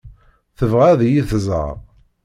Tebɣa ad yi-tẓeṛ.